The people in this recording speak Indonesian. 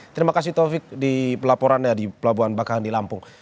terima kasih taufik di pelabuhan bakahweni lampung